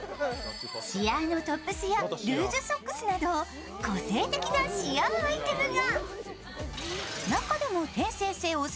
シアーのトップスやルーズソックスなど個性的なシアーアイテムが。